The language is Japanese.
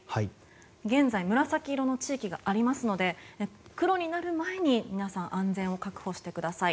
現在紫色の地域がありますので黒になる前に、皆さん安全を確保してください。